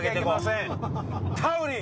タウリン！